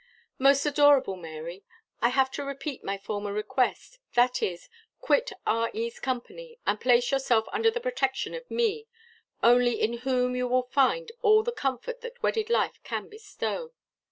"Most adorable Mary, I have to repeat my former request, that is, quit R. E.'s company, and place yourself under the protection of me, only in whom you will find all the comfort that wedded life can bestow.